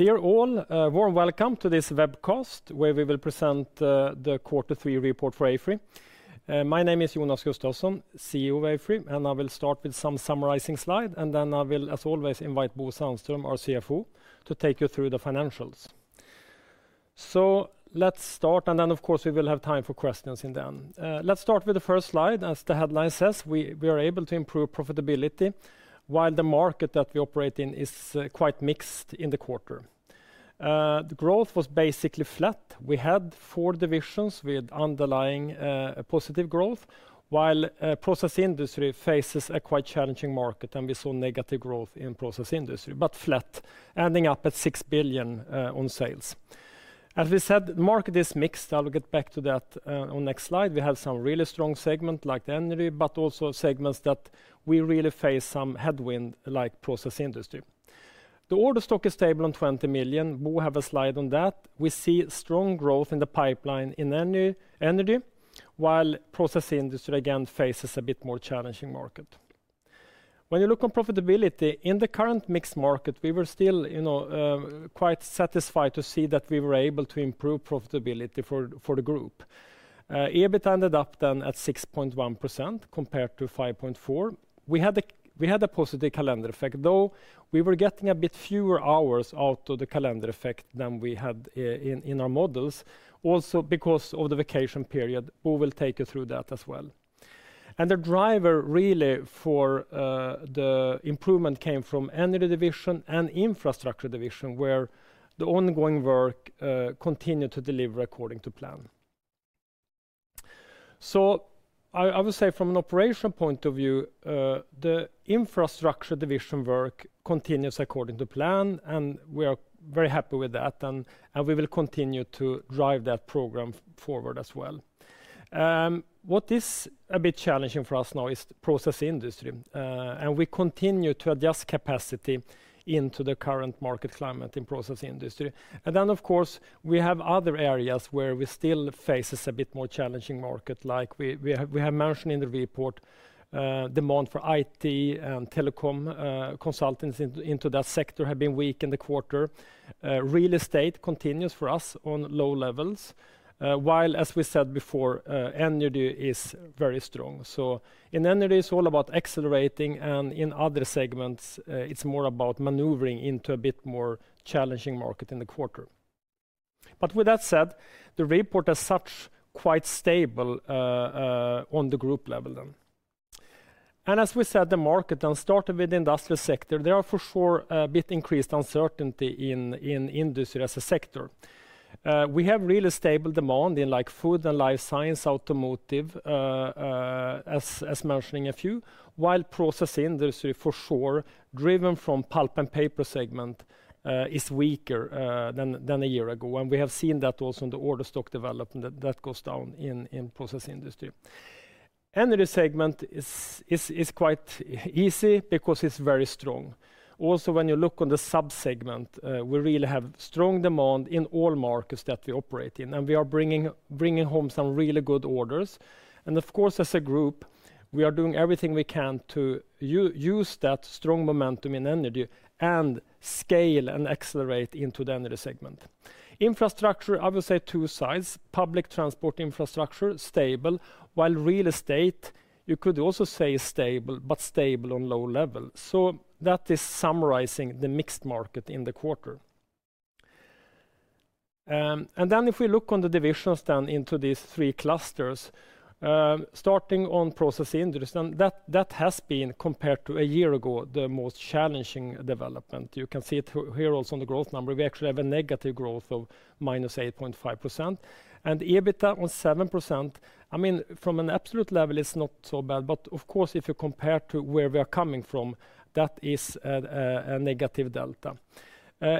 Dear all, a warm welcome to this webcast, where we will present the quarter three report for AFRY. My name is Jonas Gustavsson, CEO of AFRY, and I will start with some summarizing slide, and then I will, as always, invite Bo Sandström, our CFO, to take you through the financials. So let's start, and then, of course, we will have time for questions in the end. Let's start with the first slide. As the headline says, we are able to improve profitability, while the market that we operate in is quite mixed in the quarter. The growth was basically flat. We had four divisions with underlying positive growth, while Process Industry faces a quite challenging market, and we saw negative growth in Process Industry, but flat, ending up at 6 billion on sales. As we said, market is mixed. I will get back to that on next slide. We have some really strong segment, like Energy, but also segments that we really face some headwind, like Process Industry. The order stock is stable on 20 million. We'll have a slide on that. We see strong growth in the pipeline in Energy while Process Industry, again, faces a bit more challenging market. When you look on profitability, in the current mixed market, we were still, you know, quite satisfied to see that we were able to improve profitability for the group. EBIT ended up then at 6.1% compared to 5.4%. We had a positive calendar effect, though we were getting a bit fewer hours out to the calendar effect than we had in our models, also because of the vacation period. Bo will take you through that as well, and the driver, really, for the improvement came from Energy division and Infrastructure division, where the ongoing work continued to deliver according to plan, so I would say from an operational point of view, the Infrastructure division work continues according to plan, and we are very happy with that, and we will continue to drive that program forward as well. What is a bit challenging for us now is the Process Industry, and we continue to adjust capacity into the current market climate in Process Industry, and then, of course, we have other areas where we still faces a bit more challenging market, like we have mentioned in the report, demand for IT and telecom consultants into that sector have been weak in the quarter. Real Estate continues for us on low levels, while, as we said before, Energy is very strong. So in Energy, it's all about accelerating, and in other segments, it's more about maneuvering into a bit more challenging market in the quarter. But with that said, the report as such, quite stable, on the group level, then. And as we said, the market, and starting with the industrial sector, there are for sure, a bit increased uncertainty in industry as a sector. We have really stable demand in, like, Food & Life Science, Automotive, as mentioning a few, while Process Industry, for sure, driven from Pulp & Paper segment, is weaker, than a year ago. And we have seen that also in the order stock development, that goes down in Process Industry. Energy segment is quite easy because it's very strong. Also, when you look on the sub-segment, we really have strong demand in all markets that we operate in, and we are bringing home some really good orders. And of course, as a group, we are doing everything we can to use that strong momentum in Energy and scale and accelerate into the Energy segment. Infrastructure, I would say two sides: Public Transport Infrastructure, stable, while Real Estate, you could also say is stable, but stable on low level. So that is summarizing the mixed market in the quarter. And then if we look on the divisions down into these three clusters, starting on Process Industry, and that has been, compared to a year ago, the most challenging development. You can see it here also on the growth number. We actually have a negative growth of -8.5%, and EBIT on 7%. I mean, from an absolute level, it's not so bad, but of course, if you compare to where we are coming from, that is a negative delta.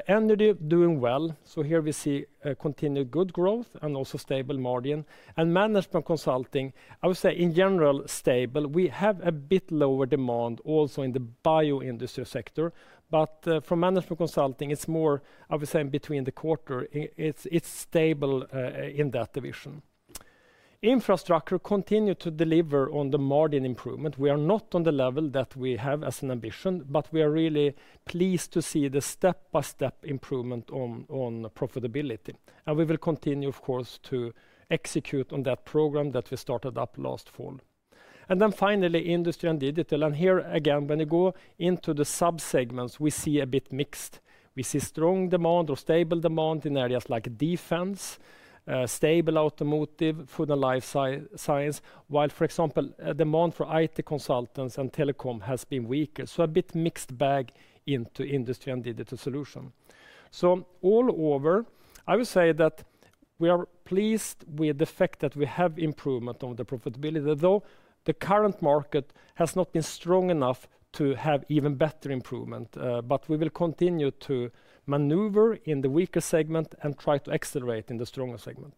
Energy doing well. So here we see continued good growth and also stable margin. And Management Consulting, I would say, in general, stable. We have a bit lower demand also in the Bioindustry sector, but from Management Consulting, it's more, I would say, in between the quarter. It's stable in that division. Infrastructure continued to deliver on the margin improvement. We are not on the level that we have as an ambition, but we are really pleased to see the step-by-step improvement on profitability, and we will continue, of course, to execute on that program that we started up last fall. And then finally, Industry and Digital. And here, again, when you go into the sub-segments, we see a bit mixed. We see strong demand or stable demand in areas like Defense, stable Automotive, Food & Life Science, while, for example, demand for IT consultants and telecom has been weaker. So a bit mixed bag into Industry and Digital Solutions. So all over, I would say that we are pleased with the fact that we have improvement on the profitability, though the current market has not been strong enough to have even better improvement, but we will continue to maneuver in the weaker segment and try to accelerate in the stronger segment.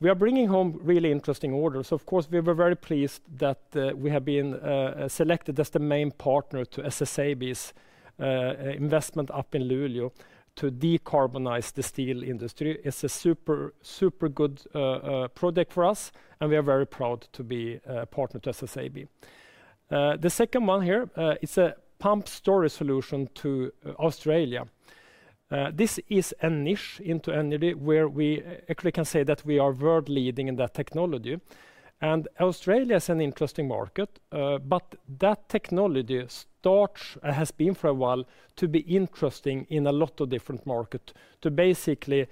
We are bringing home really interesting orders. Of course, we were very pleased that we have been selected as the main partner to SSAB's investment up in Luleå to decarbonize the steel industry. It's a super, super good project for us, and we are very proud to be a partner to SSAB. The second one here is a pumped storage solution to Australia. This is a niche into Energy, where we actually can say that we are world-leading in that technology. And Australia is an interesting market, but that technology starts, has been for a while, to be interesting in a lot of different market, to basically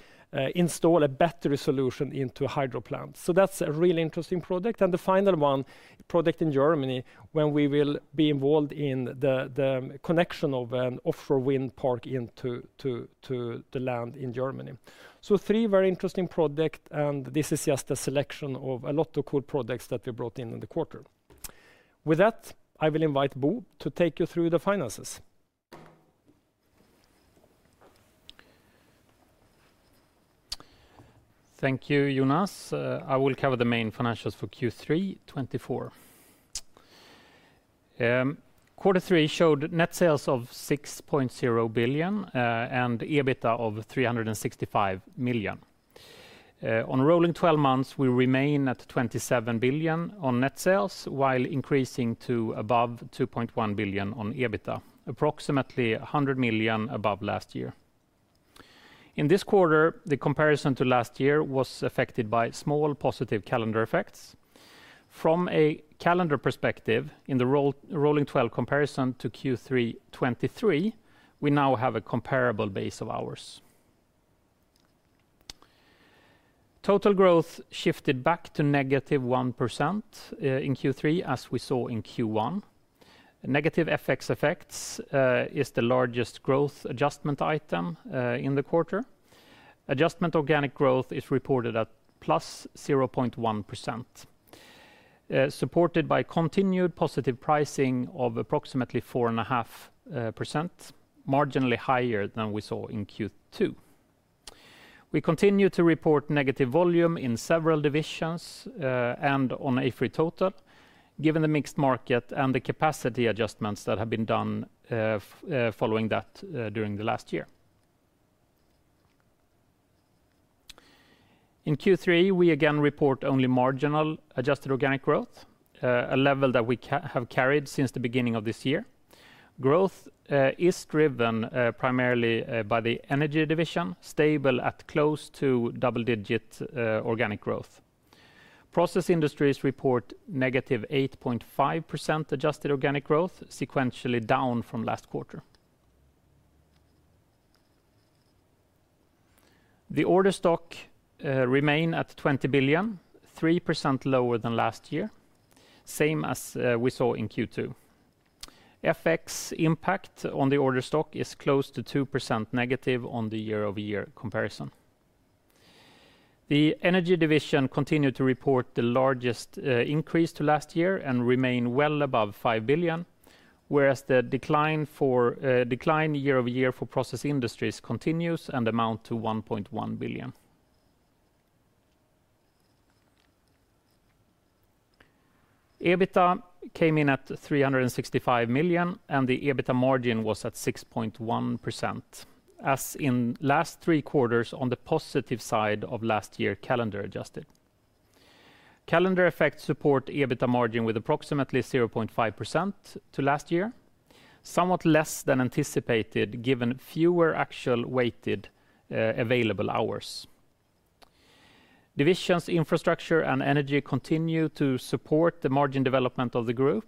install a battery solution into hydro plants. So that's a really interesting project. And the final one, project in Germany, when we will be involved in the connection of an offshore wind park to the land in Germany. So three very interesting project, and this is just a selection of a lot of cool projects that we brought in in the quarter. With that, I will invite Bo to take you through the finances. Thank you, Jonas. I will cover the main financials for Q3 2024. Quarter three showed net sales of 6.0 billion, and EBITDA of 365 million. On rolling twelve months, we remain at 27 billion on net sales, while increasing to above 2.1 billion on EBITDA, approximately 100 million above last year. In this quarter, the comparison to last year was affected by small positive calendar effects. From a calendar perspective, in the rolling twelve comparison to Q3 2023, we now have a comparable base of hours. Total growth shifted back to -1% in Q3, as we saw in Q1. Negative FX effects is the largest growth adjustment item in the quarter. Adjusted organic growth is reported at +0.1%, supported by continued positive pricing of approximately 4.5%, marginally higher than we saw in Q2. We continue to report negative volume in several divisions, and on AFRY total, given the mixed market and the capacity adjustments that have been done, following that, during the last year. In Q3, we again report only marginal adjusted organic growth, a level that we have carried since the beginning of this year. Growth is driven primarily by the Energy division, stable at close to double-digit organic growth. Process Industries report -8.5% adjusted organic growth, sequentially down from last quarter. The order stock remains at 20 billion, 3% lower than last year, same as we saw in Q2. FX impact on the order stock is close to 2% negative on the year-over-year comparison. The Energy division continued to report the largest increase to last year and remain well above 5 billion, whereas the decline for decline year over year for Process Industries continues and amount to 1.1 billion. EBITDA came in at 365 million, and the EBITDA margin was at 6.1%, as in last three quarters on the positive side of last year, calendar adjusted. Calendar effects support EBITDA margin with approximately 0.5% to last year, somewhat less than anticipated, given fewer actual weighted available hours. Divisions, Infrastructure, and Energy continue to support the margin development of the group,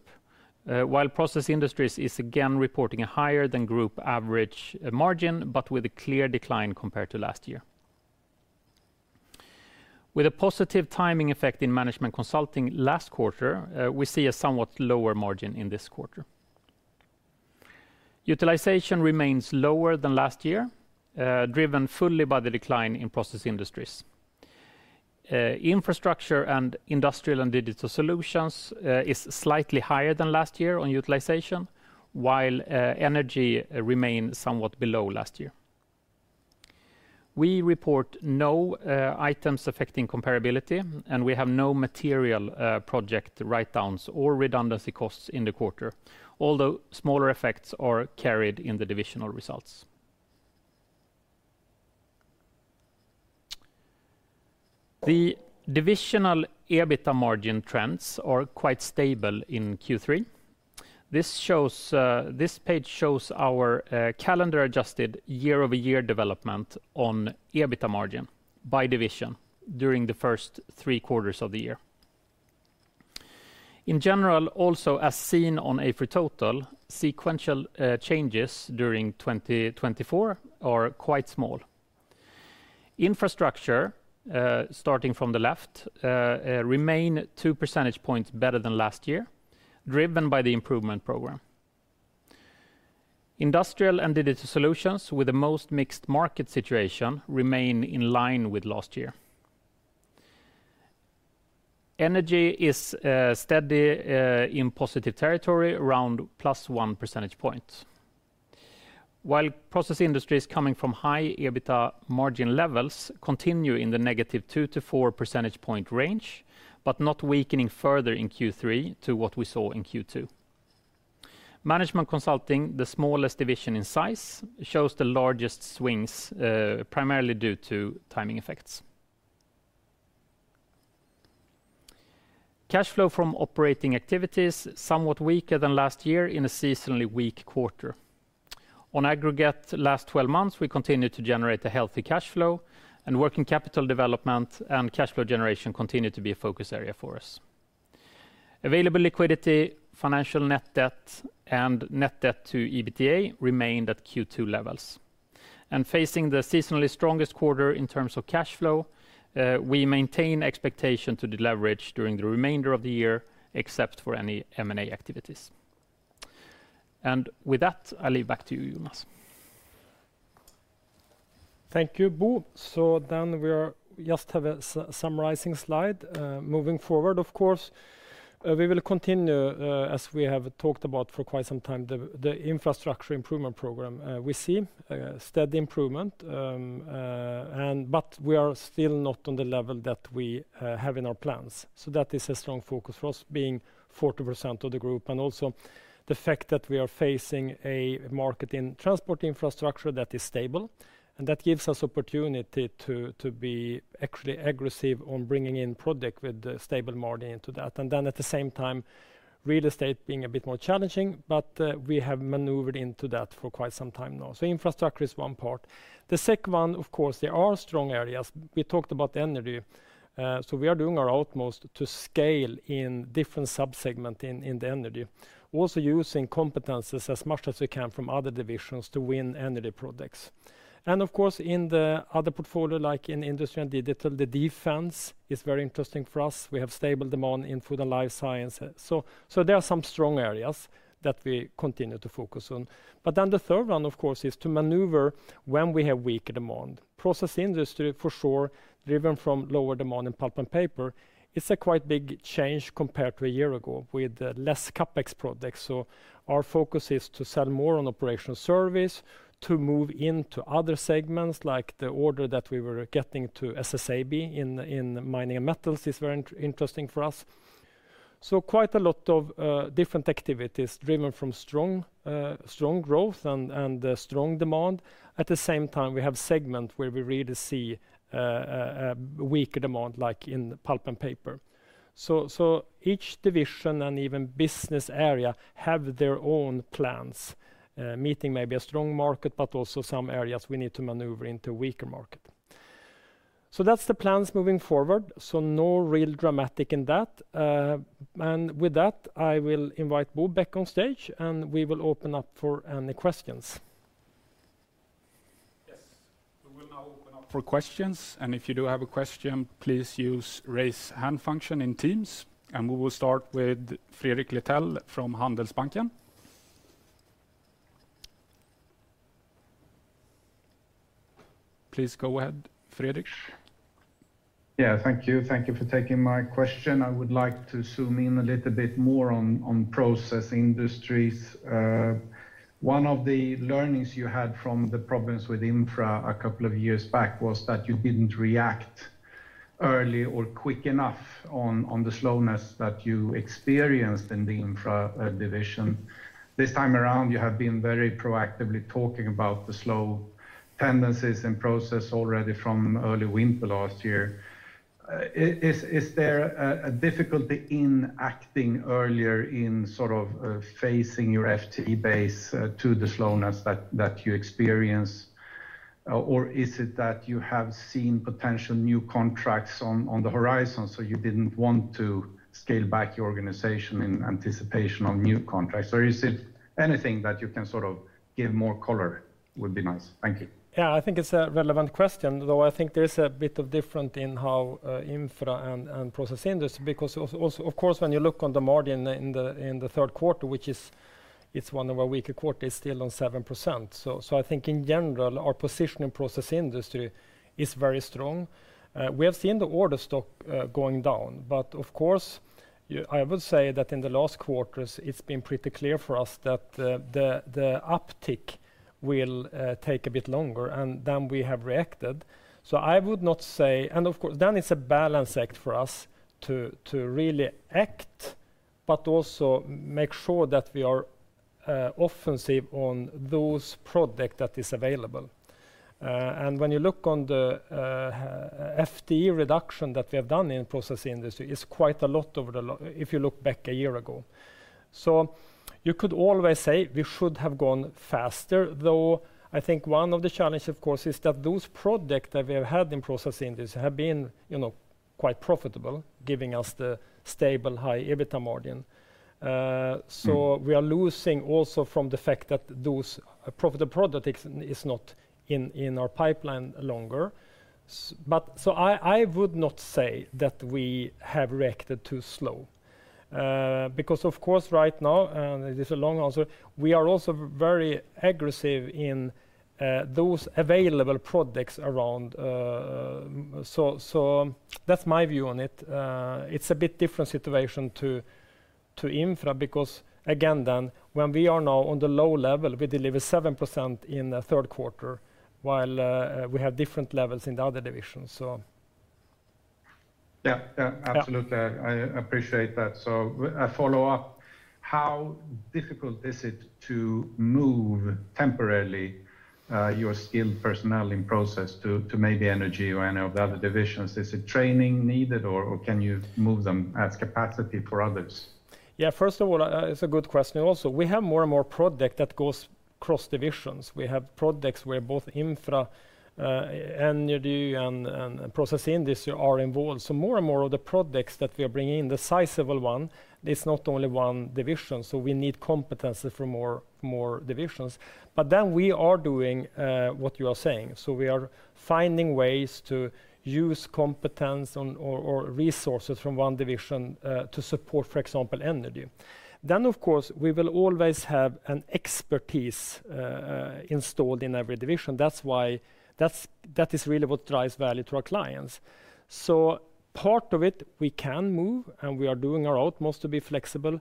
while Process Industries is again reporting a higher-than-group average margin, but with a clear decline compared to last year. With a positive timing effect in Management Consulting last quarter, we see a somewhat lower margin in this quarter. Utilization remains lower than last year, driven fully by the decline in Process Industries. Infrastructure and Industrial and Digital Solutions is slightly higher than last year on utilization, while Energy remain somewhat below last year. We report no items affecting comparability, and we have no material project write-downs or redundancy costs in the quarter, although smaller effects are carried in the divisional results. The divisional EBITDA margin trends are quite stable in Q3. This page shows our calendar-adjusted year-over-year development on EBITDA margin by division during the first three quarters of the year. In general, also, as seen on AFRY total, sequential changes during twenty twenty-four are quite small. Infrastructure, starting from the left, remain two percentage points better than last year, driven by the improvement program. Industrial and Digital Solutions, with the most mixed market situation, remain in line with last year. Energy is, steady, in positive territory, around +1 percentage point. While Process Industries coming from high EBITDA margin levels continue in the -2 to 4 percentage point range, but not weakening further in Q3 to what we saw in Q2. Management Consulting, the smallest division in size, shows the largest swings, primarily due to timing effects. Cash flow from operating activities, somewhat weaker than last year in a seasonally weak quarter. On aggregate, last twelve months, we continued to generate a healthy cash flow, and working capital development and cash flow generation continued to be a focus area for us. Available liquidity, financial net debt, and net debt to EBITDA remained at Q2 levels. Facing the seasonally strongest quarter in terms of cash flow, we maintain expectation to deleverage during the remainder of the year, except for any M&A activities. With that, I leave back to you, Jonas. Thank you, Bo. So then we are just having a summarizing slide. Moving forward, of course, we will continue, as we have talked about for quite some time, the Infrastructure improvement program. We see steady improvement, and but we are still not on the level that we have in our plans. So that is a strong focus for us, being 40% of the group, and also the fact that we are facing a market in Transport Infrastructure that is stable, and that gives us opportunity to be actually aggressive on bringing in product with a stable margin into that. And then at the same time, Real Estate being a bit more challenging, but we have maneuvered into that for quite some time now. So Infrastructure is one part. The second one, of course, there are strong areas. We talked about Energy, so we are doing our utmost to scale in different sub-segment in the Energy. Also using competencies as much as we can from other divisions to win Energy projects. And of course, in the other portfolio, like in Industry and Digital, the Defense is very interesting for us. We have stable demand in Food & Life Sciences, so there are some strong areas that we continue to focus on, but then the third one, of course, is to maneuver when we have weaker demand. Process Industry, for sure, driven from lower demand in Pulp & Paper. It's a quite big change compared to a year ago, with less CapEx projects. So our focus is to sell more on operational service, to move into other segments, like the order that we were getting to SSAB in Mining and Metals is very interesting for us. So quite a lot of different activities driven from strong growth and strong demand. At the same time, we have segment where we really see a weaker demand, like in Pulp & Paper. So each division and even business area have their own plans meeting maybe a strong market, but also some areas we need to maneuver into weaker market. So that's the plans moving forward, so no real dramatic in that. And with that, I will invite Bo back on stage, and we will open up for any questions. Yes. We will now open up for questions, and if you do have a question, please use raise hand function in Teams, and we will start with Fredrik Lithell from Handelsbanken. Please go ahead, Fredrik. Yeah, thank you. Thank you for taking my question. I would like to zoom in a little bit more on Process Industries. One of the learnings you had from the problems with Infra a couple of years back was that you didn't react early or quick enough on the slowness that you experienced in the Infra division. This time around, you have been very proactively talking about the slow tendencies and process already from early winter last year. Is there a difficulty in acting earlier in sort of facing your FTE base to the slowness that you experience? Or is it that you have seen potential new contracts on the horizon, so you didn't want to scale back your organization in anticipation on new contracts? Or, is it anything that you can sort of give more color? Would be nice. Thank you. Yeah, I think it's a relevant question, though I think there's a bit of different in how Infra and Process Industry, because also, of course, when you look on the margin in the third quarter, which is one of our weaker quarter, it's still on 7%. So I think in general, our position in Process Industry is very strong. We have seen the order stock going down, but of course, I would say that in the last quarters, it's been pretty clear for us that the uptick will take a bit longer, and then we have reacted. So I would not say, and of course, then it's a balance act for us to really act, but also make sure that we are offensive on those product that is available. And when you look on the FTE reduction that we have done in Process Industry, it's quite a lot over the, if you look back a year ago. So you could always say we should have gone faster, though I think one of the challenge, of course, is that those product that we have had in Process Industry have been, you know, quite profitable, giving us the stable, high EBITDA margin. So we are losing also from the fact that those the product is not in our pipeline longer. But so I would not say that we have reacted too slow, because of course, right now, it is a long answer, we are also very aggressive in those available products around. So that's my view on it. It's a bit different situation to Infra, because again, then, when we are now on the low level, we deliver 7% in the third quarter, while we have different levels in the other divisions, so. Yeah, yeah, absolutely. Yeah. I appreciate that. So, a follow-up, how difficult is it to move temporarily your skilled personnel in Process to maybe Energy or any of the other divisions? Is it training needed, or can you move them as capacity for others?... Yeah, first of all, it's a good question also. We have more and more product that goes cross divisions. We have products where both Infra, Energy, and Process Industry are involved. So more and more of the products that we are bringing in, the sizable one, is not only one division, so we need competency from more divisions. But then we are doing what you are saying. So we are finding ways to use competence or resources from one division to support, for example, Energy. Then, of course, we will always have an expertise installed in every division. That is really what drives value to our clients. So part of it, we can move, and we are doing our utmost to be flexible,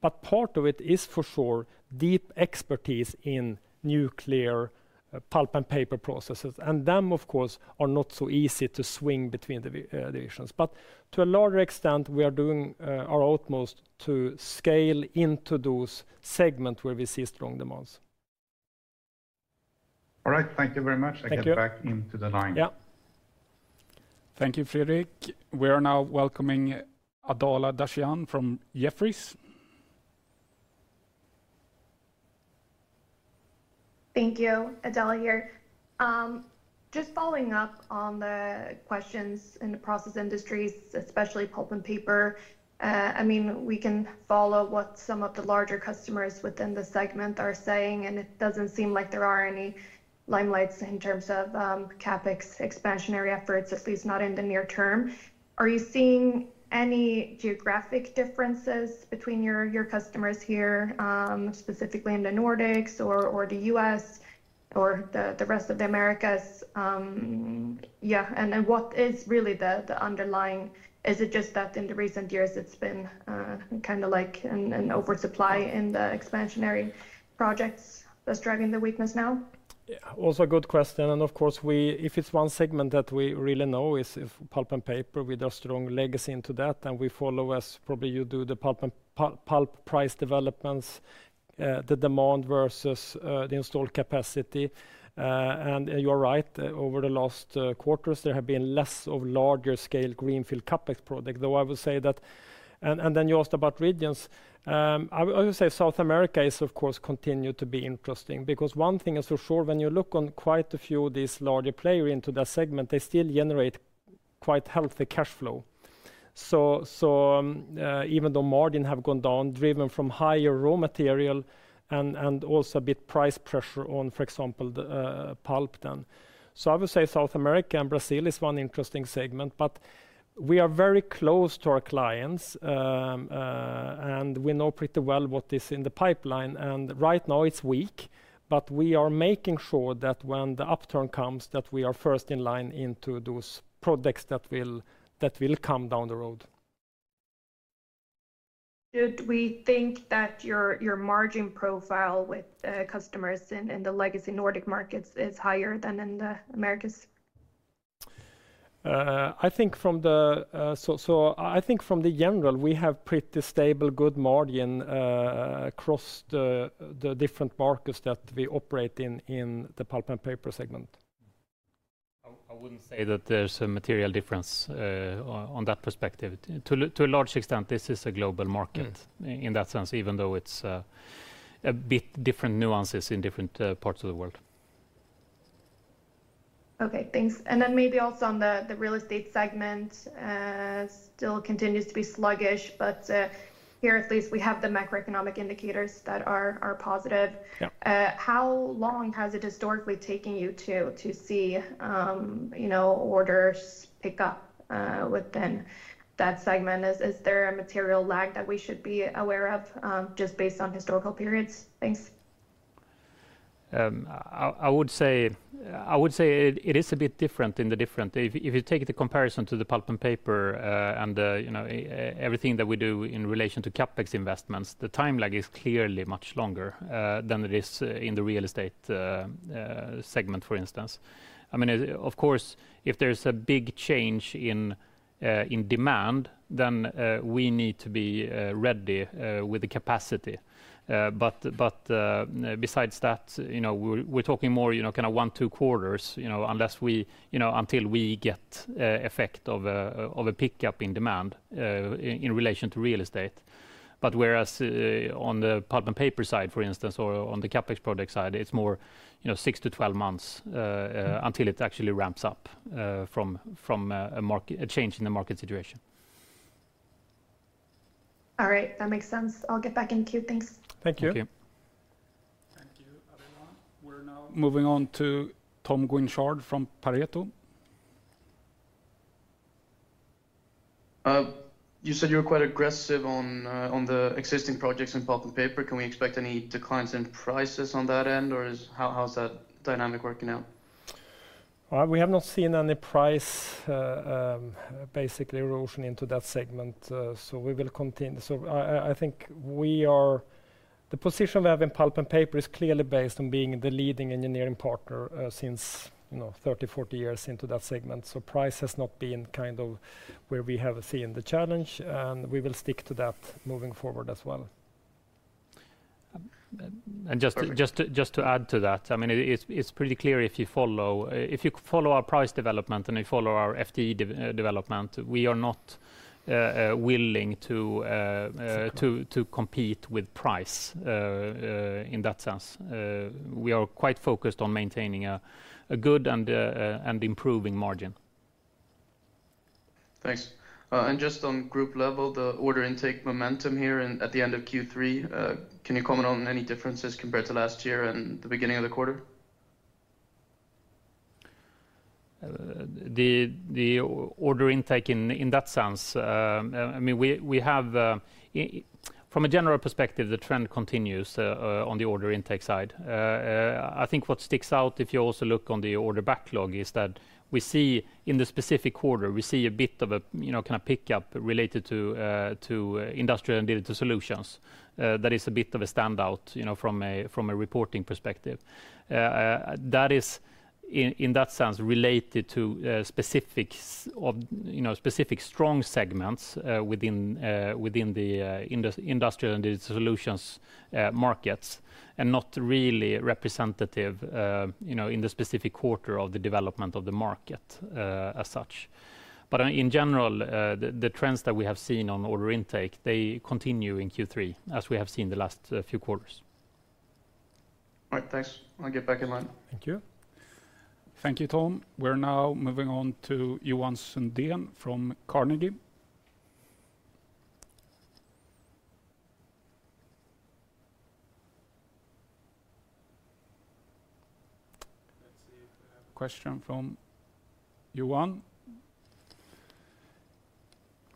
but part of it is for sure deep expertise in Nuclear, Pulp & Paper processes, and them, of course, are not so easy to swing between divisions. But to a larger extent, we are doing our utmost to scale into those segment where we see strong demands. All right. Thank you very much. Thank you. I get back into the line. Yeah. Thank you, Fredrik. We are now welcoming Adela Dashian from Jefferies. Thank you. Adela here. Just following up on the questions in the Process Industries, especially Pulp & Paper, I mean, we can follow what some of the larger customers within the segment are saying, and it doesn't seem like there are any highlights in terms of CapEx expansionary efforts, at least not in the near term. Are you seeing any geographic differences between your customers here, specifically in the Nordics or the U.S., or the rest of the Americas? Yeah, and what is really the underlying? Is it just that in the recent years it's been kinda like an oversupply in the expansionary projects that's driving the weakness now? Yeah. Also a good question, and of course, we if it's one segment that we really know is Pulp & Paper, with a strong legacy into that, then we follow, as probably you do, the pulp price developments, the demand versus the installed capacity, and you are right, over the last quarters, there have been less of larger scale greenfield CapEx project, though I will say that, and then you asked about regions. I, I would say South America is, of course, continue to be interesting, because one thing is for sure, when you look on quite a few of these larger player into that segment, they still generate quite healthy cash flow. Even though margin have gone down, driven from higher raw material, and also a bit price pressure on, for example, the pulp then, so I would say South America and Brazil is one interesting segment, but we are very close to our clients, and we know pretty well what is in the pipeline, and right now it's weak, but we are making sure that when the upturn comes, that we are first in line into those products that will come down the road. Should we think that your margin profile with customers in the legacy Nordic markets is higher than in the Americas? I think from the general, we have pretty stable, good margin across the different markets that we operate in, in the Pulp & Paper segment. I wouldn't say that there's a material difference on that perspective. To a large extent, this is a global market- Mm... in that sense, even though it's a bit different nuances in different parts of the world. Okay, thanks. And then maybe also on the Real Estate segment, still continues to be sluggish, but here at least we have the macroeconomic indicators that are positive. Yeah. How long has it historically taken you to see orders pick up within that segment? Is there a material lag that we should be aware of just based on historical periods? Thanks. I would say it is a bit different in the different. If you take the comparison to the Pulp & Paper, and, you know, everything that we do in relation to CapEx investments, the time lag is clearly much longer than it is in the Real Estate segment, for instance. I mean, of course, if there's a big change in in demand, then we need to be ready with the capacity. But besides that, you know, we're talking more, you know, kinda one, two quarters, you know, unless we. You know, until we get effect of a pickup in demand in relation to Real Estate. But whereas on the Pulp & Paper side, for instance, or on the CapEx project side, it's more, you know, six to 12 months until it actually ramps up from a change in the market situation. All right, that makes sense. I'll get back in queue. Thanks. Thank you. ehank you. Thank you, Adela. We're now moving on to Tom Guinchard from Pareto. You said you were quite aggressive on the existing projects in Pulp & Paper. Can we expect any declines in prices on that end, or is... How's that dynamic working out? We have not seen any price basically erosion into that segment, so we will continue, so I think the position we have in Pulp & Paper is clearly based on being the leading engineering partner, since, you know, thirty, forty years into that segment, so price has not been kind of where we have seen the challenge, and we will stick to that moving forward as well.... And just to add to that, I mean, it's pretty clear if you follow our price development, and you follow our FTE development, we are not willing to compete with price in that sense. We are quite focused on maintaining a good and improving margin. Thanks. And just on group level, the order intake momentum here and at the end of Q3, can you comment on any differences compared to last year and the beginning of the quarter? The order intake in that sense, I mean, we have from a general perspective, the trend continues on the order intake side. I think what sticks out, if you also look on the order backlog, is that we see in the specific quarter, we see a bit of a, you know, kind of pickup related to Industrial and Digital Solutions. That is a bit of a standout, you know, from a reporting perspective. That is, in that sense, related to specific strong segments within the Industrial and Digital Solutions markets, and not really representative, you know, in the specific quarter of the development of the market as such. In general, the trends that we have seen on order intake continue in Q3, as we have seen the last few quarters. All right, thanks. I'll get back in line. Thank you. Thank you, Tom. We're now moving on to Johan Sundén from Carnegie. Let's see if we have a question from Johan.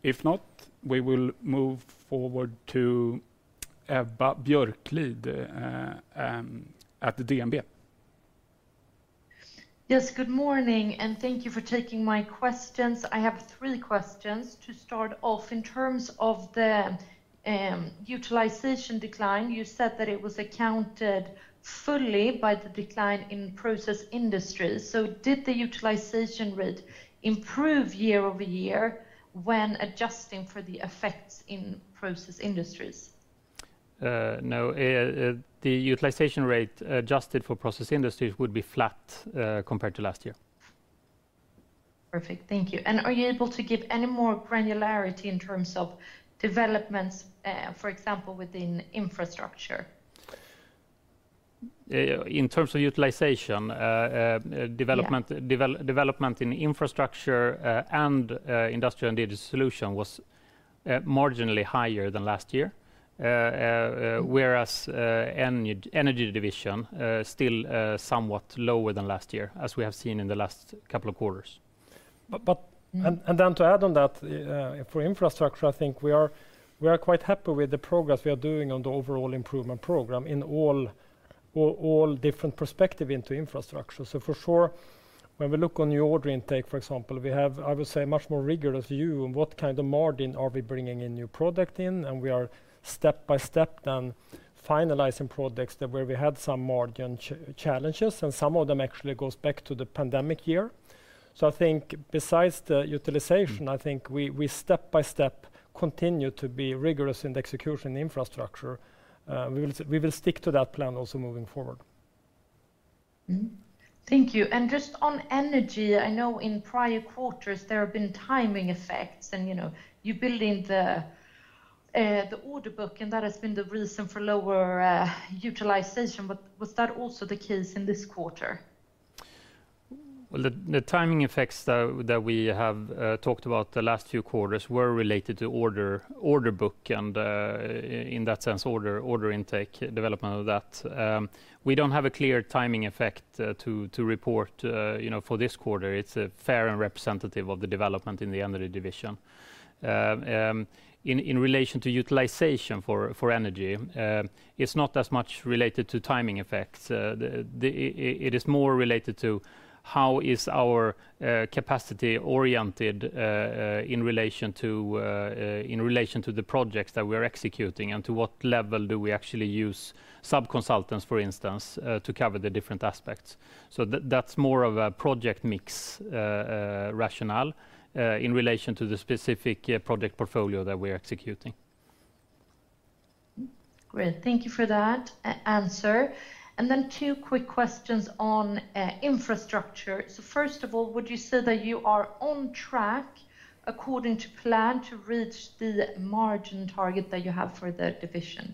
If not, we will move forward to Ebba Björklid at the DNB. Yes, good morning, and thank you for taking my questions. I have three questions. To start off, in terms of the utilization decline, you said that it was accounted fully by the decline in Process Industry. So did the utilization rate improve year over year when adjusting for the effects in Process Industries? No, the utilization rate adjusted for Process Industries would be flat compared to last year. Perfect, thank you. And are you able to give any more granularity in terms of developments, for example, within Infrastructure? In terms of utilization, Yeah... development in infrastructure and Industrial and Digital Solutions was marginally higher than last year. Whereas Energy division still somewhat lower than last year, as we have seen in the last couple of quarters. But and then to add on that, for Infrastructure, I think we are quite happy with the progress we are doing on the overall improvement program in all different perspective into Infrastructure. So for sure, when we look on the order intake, for example, we have, I would say, a much more rigorous view on what kind of margin are we bringing a new product in, and we are step by step then finalizing projects that where we had some margin challenges, and some of them actually goes back to the pandemic year. So I think besides the utilization, I think we step by step continue to be rigorous in the execution infrastructure. We will stick to that plan also moving forward. Mm-hmm. Thank you. And just on Energy, I know in prior quarters there have been timing effects, and, you know, you build in the order book, and that has been the reason for lower utilization. But was that also the case in this quarter? The timing effects that we have talked about the last few quarters were related to order book, and in that sense, order intake development of that. We don't have a clear timing effect to report, you know, for this quarter. It's a fair and representative of the development in the Energy division. In relation to utilization for Energy, it's not as much related to timing effects. It is more related to how is our capacity oriented in relation to the projects that we are executing, and to what level do we actually use sub-consultants, for instance, to cover the different aspects? So that's more of a project mix, rationale, in relation to the specific project portfolio that we are executing. Great, thank you for that answer. And then two quick questions on Infrastructure. So first of all, would you say that you are on track, according to plan, to reach the margin target that you have for the division?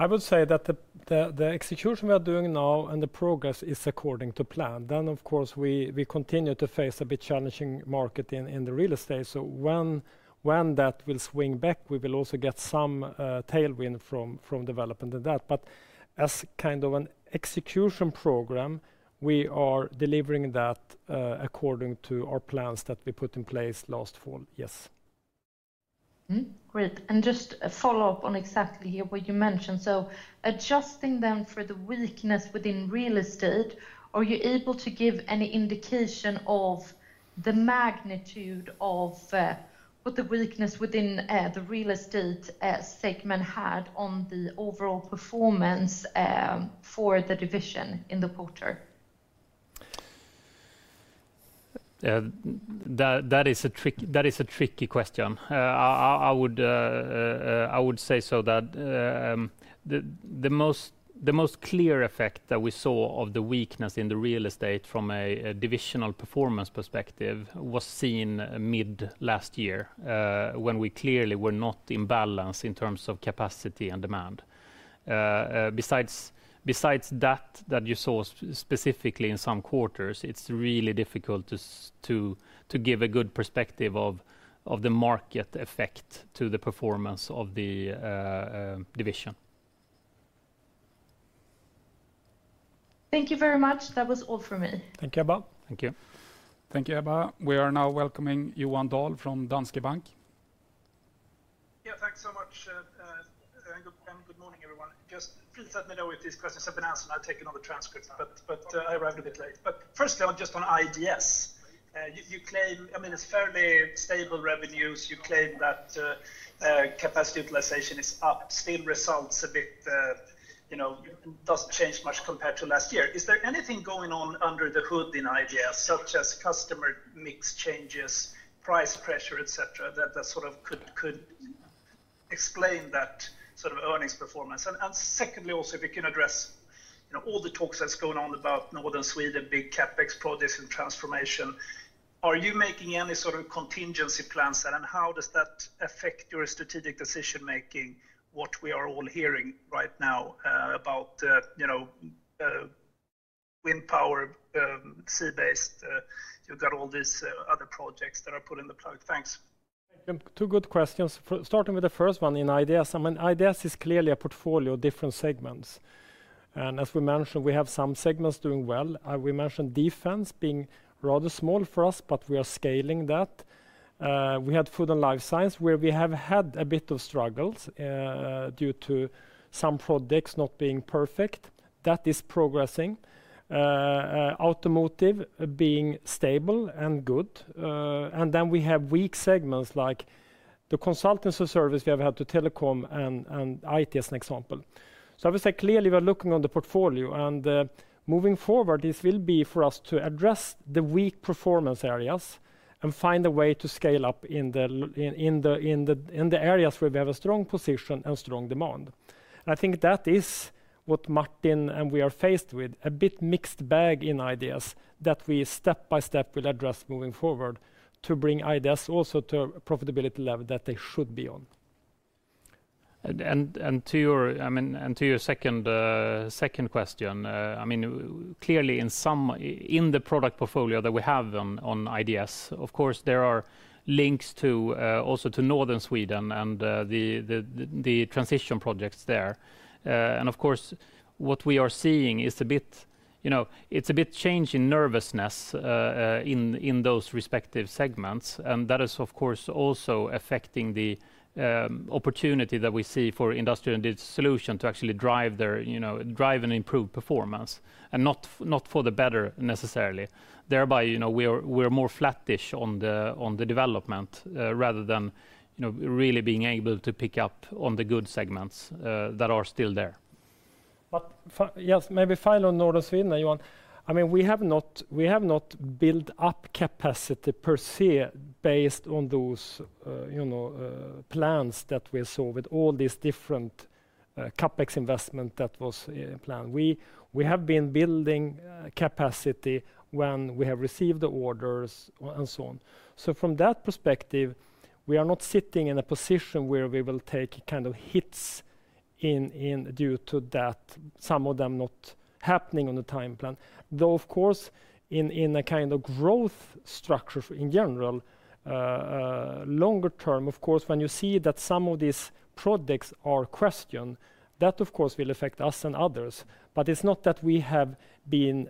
I would say that the execution we are doing now and the progress is according to plan. Then, of course, we continue to face a bit challenging market in the Real Estate. So when that will swing back, we will also get some tailwind from development of that. But as kind of an execution program, we are delivering that according to our plans that we put in place last fall, yes. Mm-hmm. Great, and just a follow-up on exactly here what you mentioned. So adjusting then for the weakness within Real Estate, are you able to give any indication of the magnitude of what the weakness within the Real Estate segment had on the overall performance for the division in the quarter?... That is a tricky question. I would say that the most clear effect that we saw of the weakness in the Real Estate from a divisional performance perspective was seen mid last year, when we clearly were not in balance in terms of capacity and demand. Besides that, you saw specifically in some quarters, it's really difficult to give a good perspective of the market effect to the performance of the division. Thank you very much. That was all for me. Thank you, Ebba. Thank you. Thank you, Ebba. We are now welcoming Johan Dahl from Danske Bank. Yeah, thanks so much, and good morning, everyone. Just please let me know if these questions have been answered, and I've taken all the transcripts, but I arrived a bit late. But firstly, on IDS, you claim, I mean, it's fairly stable revenues. You claim that capacity utilization is up, still results a bit, you know, doesn't change much compared to last year. Is there anything going on under the hood in IDS, such as customer mix changes, price pressure, et cetera, that sort of could explain that sort of earnings performance? And secondly, also, if you can address, you know, all the talks that's going on about Northern Sweden, big CapEx projects and transformation. Are you making any sort of contingency plans, and then how does that affect your strategic decision-making, what we are all hearing right now, about, you know, wind power, sea-based? You've got all these other projects that are pulled the plug. Thanks. Two good questions. First, starting with the first one in IDS. I mean, IDS is clearly a portfolio of different segments, and as we mentioned, we have some segments doing well. We mentioned Defense being rather small for us, but we are scaling that. We had Food & Life Science, where we have had a bit of struggles, due to some products not being perfect. That is progressing. Automotive being stable and good. And then we have weak segments, like the consultancy service we have had to telecom and IT as an example. So I would say, clearly, we are looking on the portfolio, and moving forward, this will be for us to address the weak performance areas and find a way to scale up in the areas where we have a strong position and strong demand. I think that is what Martin and we are faced with, a bit mixed bag in IDS that we step by step will address moving forward to bring IDS also to a profitability level that they should be on. To your second question, I mean, clearly, in the product portfolio that we have on IDS, of course, there are links to also to Northern Sweden and the transition projects there. And of course, what we are seeing is a bit, you know, it's a bit change in nervousness in those respective segments, and that is, of course, also affecting the opportunity that we see for Industrial and Digital Solutions to actually drive their, you know, and improve performance, and not for the better, necessarily. Thereby, you know, we are more flattish on the development rather than, you know, really being able to pick up on the good segments that are still there. Yes, maybe final on Northern Sweden, Johan. I mean, we have not, we have not built up capacity per se, based on those, you know, plans that we saw with all these different CapEx investment that was planned. We, we have been building capacity when we have received the orders and so on. So from that perspective, we are not sitting in a position where we will take kind of hits due to that, some of them not happening on the time plan. Though, of course, in a kind of growth structure, in general, longer term, of course, when you see that some of these products are questioned, that, of course, will affect us and others, but it's not that we have been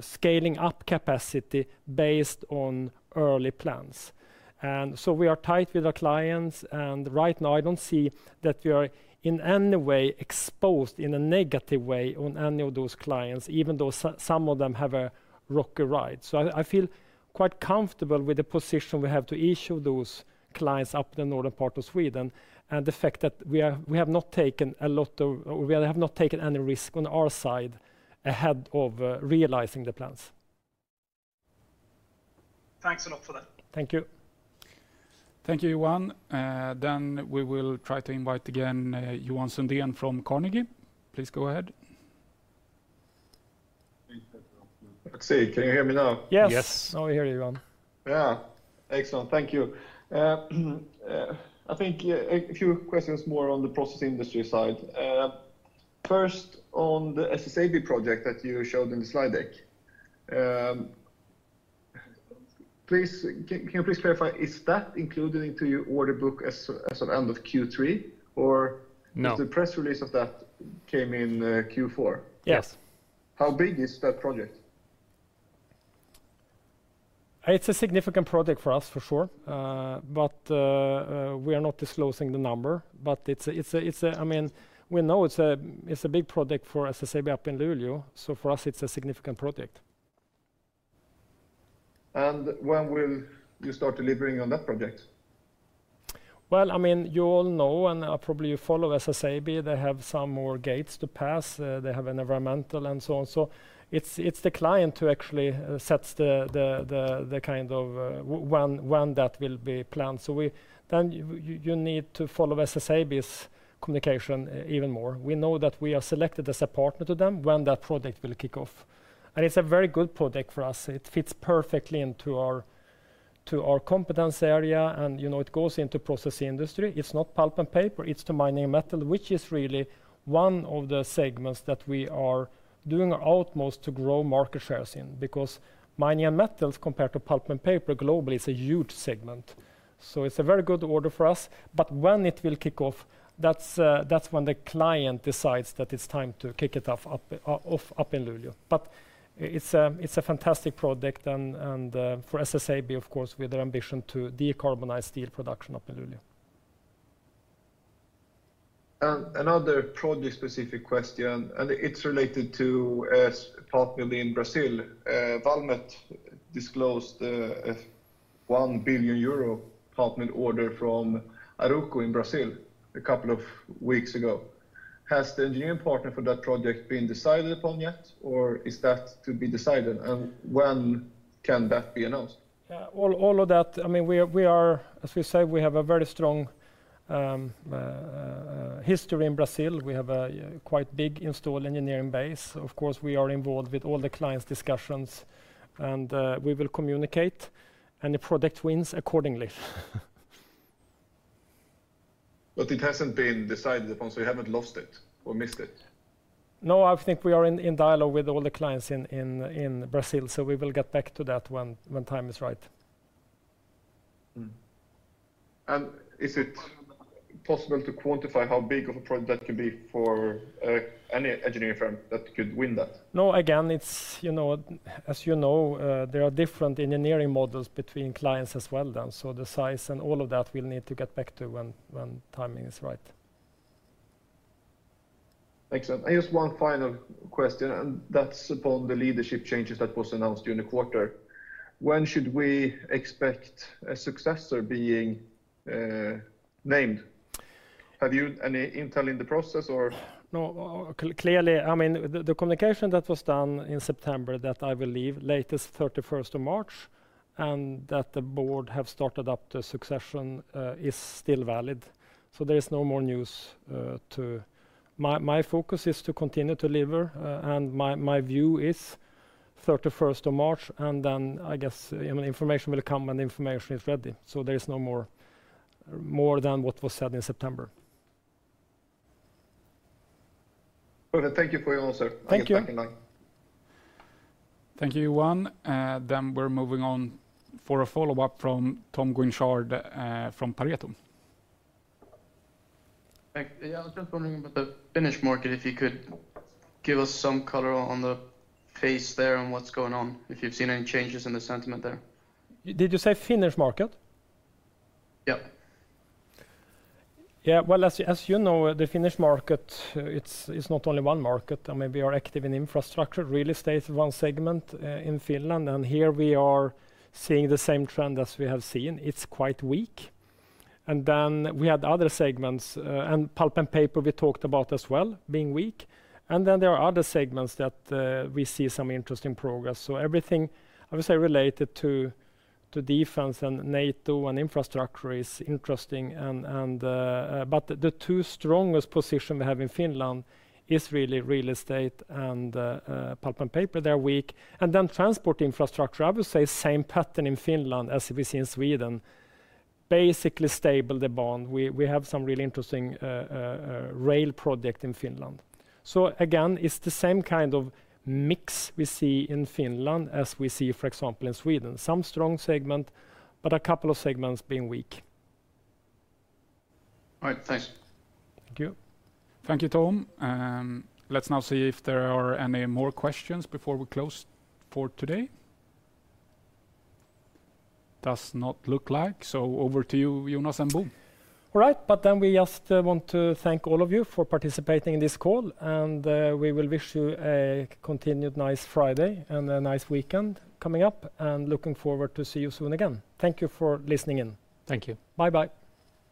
scaling up capacity based on early plans. And so we are tight with our clients, and right now, I don't see that we are in any way exposed in a negative way on any of those clients, even though some of them have a rocky ride. So I, I feel quite comfortable with the position we have to each of those clients up in the Northern Sweden, and the fact that we have not taken a lot of... We have not taken any risk on our side ahead of realizing the plans. Thanks a lot for that. Thank you. Thank you, Johan. Then we will try to invite again, Johan Sundén from Carnegie. Please go ahead. See, can you hear me now? Yes. Yes, now we hear you, Johan. Yeah. Excellent, thank you. I think a few questions more on the Process Industry side. First, on the SSAB project that you showed in the slide deck, please, can you please clarify, is that included into your order book as of end of Q3, or- No... The press release of that came in, Q4? Yes. How big is that project? It's a significant project for us, for sure. We are not disclosing the number, but it's a big project for SSAB up in Luleå. I mean, we know it's a big project for SSAB up in Luleå, so for us, it's a significant project. When will you start delivering on that project?... I mean, you all know, and probably you follow SSAB. They have some more gates to pass. They have environmental, and so on. So it's the client who actually sets the kind of when that will be planned. So then you need to follow SSAB's communication even more. We know that we are selected as a partner to them when that project will kick off. And it's a very good project for us. It fits perfectly into our competence area, and you know, it goes into processing industry. It's not Pulp & Paper, it's to Mining and Metals, which is really one of the segments that we are doing our utmost to grow market shares in. Because Mining and Metals, compared to Pulp & Paper globally, is a huge segment. So it's a very good order for us, but when it will kick off, that's, that's when the client decides that it's time to kick it off up in Luleå. But it's a fantastic project, and for SSAB, of course, with their ambition to decarbonize steel production up in Luleå. Another project-specific question, and it's related to a partner in Brazil. Valmet disclosed a 1 billion euro order from Arauco in Brazil a couple of weeks ago. Has the engineering partner for that project been decided upon yet, or is that to be decided, and when can that be announced? Yeah, all of that... I mean, we are, as we say, we have a very strong history in Brazil. We have a quite big installed engineering base. Of course, we are involved with all the clients' discussions, and we will communicate, and the project wins accordingly. But it hasn't been decided upon, so you haven't lost it or missed it? No, I think we are in dialogue with all the clients in Brazil, so we will get back to that when time is right. Mm-hmm. And is it possible to quantify how big of a project that could be for any engineering firm that could win that? No, again, it's, you know, as you know, there are different engineering models between clients as well then. So the size and all of that, we'll need to get back to when timing is right. Excellent. And just one final question, and that's upon the leadership changes that was announced during the quarter. When should we expect a successor being named? Have you any intel in the process, or? No, clearly, I mean, the communication that was done in September, that I will leave latest thirty-first of March, and that the board have started up the succession, is still valid, so there is no more news to. My focus is to continue to deliver, and my view is thirty-first of March, and then I guess, I mean, information will come when the information is ready. So there is no more than what was said in September. Thank you for your answer. Thank you. I'll get back in line. Thank you, Johan. Then we're moving on for a follow-up from Tom Guinchard, from Pareto. Thank you. Yeah, I was just wondering about the Finnish market, if you could give us some color on the pace there and what's going on, if you've seen any changes in the sentiment there? Did you say Finnish market? Yeah. Yeah, well, as you know, the Finnish market, it's not only one market. I mean, we are active in Infrastructure. Real Estate is one segment in Finland, and here we are seeing the same trend as we have seen. It's quite weak. And then we had other segments, and Pulp & Paper, we talked about as well, being weak. And then there are other segments that we see some interesting progress. So everything, I would say, related to Defense and NATO and infrastructure is interesting. But the two strongest position we have in Finland is really Real Estate and Pulp & Paper. They're weak. And then Transport Infrastructure, I would say same pattern in Finland as we see in Sweden. Basically stable the bond. We have some really interesting rail project in Finland. So again, it's the same kind of mix we see in Finland as we see, for example, in Sweden. Some strong segment, but a couple of segments being weak. All right. Thanks. Thank you. Thank you, Tom. Let's now see if there are any more questions before we close for today. Does not look like, so over to you, Jonas and Bo. All right, but then we just want to thank all of you for participating in this call, and we will wish you a continued nice Friday, and a nice weekend coming up, and looking forward to see you soon again. Thank you for listening in. Thank you. Bye-bye.